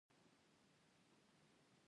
پر سبا يوه ډله سوداګر لږ وړاندې ولاړ وو.